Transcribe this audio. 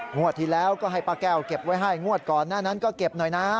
งวดที่แล้วก็ให้ป้าแก้วเก็บไว้ให้งวดก่อนหน้านั้นก็เก็บหน่อยนะ